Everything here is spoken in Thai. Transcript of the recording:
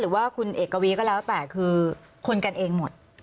หรือว่าคุณเอกวีก็แล้วแต่คือคนกันเองหมด